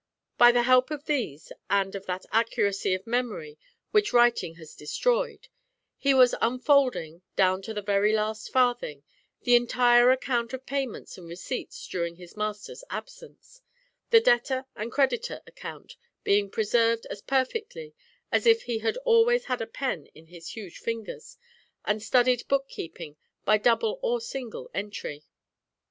By the help of these, and of that accuracy of memory which writing has destroyed, he was unfolding, down to the very last farthing, the entire account of payments and receipts during his master's absence, the debtor and creditor account being preserved as perfectly as if he had always had a pen in his huge fingers, and studied book keeping by double or single entry.